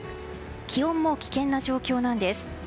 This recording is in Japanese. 気温も危険な状況なんです。